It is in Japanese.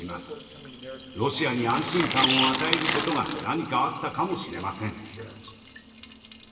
ロシアに安心感を与えることが何かあったかもしれません。